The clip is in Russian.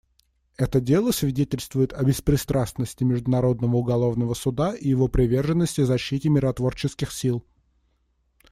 Это дело свидетельствует о беспристрастности Международного уголовного суда и его приверженности защите миротворческих сил.